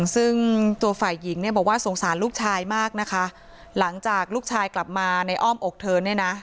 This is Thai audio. ซึ่งตัวฝ่ายหญิงเนี่ยบอกว่าสงสารลูกชายมากนะคะหลังจากลูกชายกลับมาในอ้อมอกเธอเนี่ยนะ